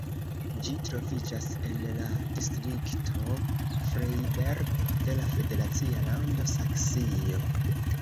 Ĝi troviĝas en la distrikto Freiberg de la federacia lando Saksio.